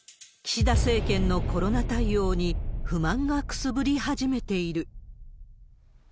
岸田政権のコロナ対応に不満がくすぶり始めている。